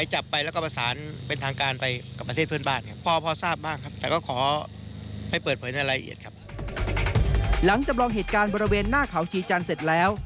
หลังจำลองเหตุการณ์บริเวณหน้าเขาชีจันทร์เสร็จแล้ว